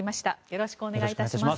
よろしくお願いします。